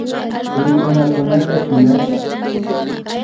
Mikunakunata shinashpa